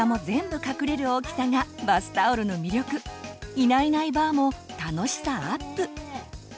「いないいないばぁ」も楽しさアップ！